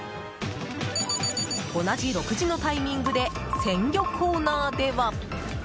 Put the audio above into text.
同じ６時のタイミングで鮮魚コーナーでは。